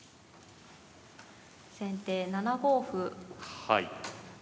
先手７五歩。